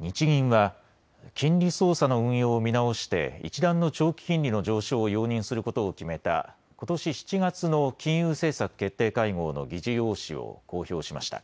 日銀は金利操作の運用を見直して一段の長期金利の上昇を容認することを決めたことし７月の金融政策決定会合の議事要旨を公表しました。